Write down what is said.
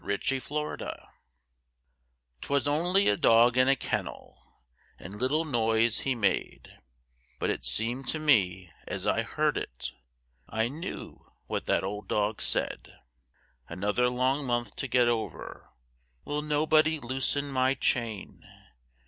CHAINED IN THE YARD 'Twas only a dog in a kennel And little noise he made, But it seemed to me as I heard it I knew what that old dog said. "Another long month to get over; Will nobody loosen my chain?